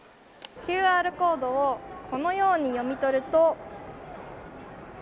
ＱＲコードをこのように読み取ると。